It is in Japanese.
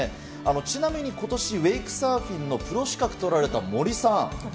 ちなみにことし、ウェイクサーフィンのプロ資格を取られた森さん。